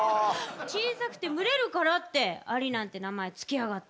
小さくて群れるからってアリなんて名前付けやがって。